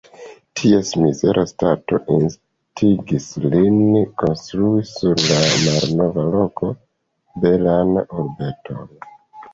Ties mizera stato instigis lin, konstrui sur la malnova loko belan urbeton.